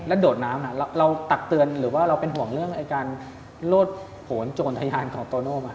โดดน้ำเราตักเตือนหรือว่าเราเป็นห่วงเรื่องการโลดผลโจรทะยานของโตโน่ไหม